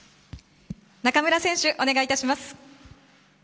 中村選手、お願いいたします。